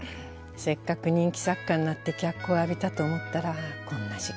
せっかく人気作家になって脚光を浴びたと思ったらこんな事件に巻き込まれて。